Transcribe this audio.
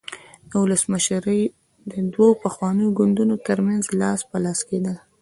ولسمشري د دوو پخوانیو ګوندونو ترمنځ لاس په لاس کېدل.